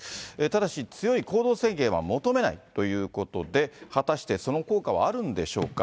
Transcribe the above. ただし、強い行動制限は求めないということで、果たしてその効果はあるんでしょうか。